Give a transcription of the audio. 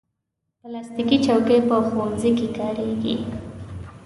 پلاستيکي چوکۍ په ښوونځیو کې کارېږي.